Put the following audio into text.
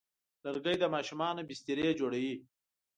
لرګی د ماشومانو بسترې جوړوي.